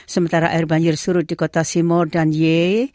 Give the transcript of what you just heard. sementara air banjir surut di kota seymour dan yee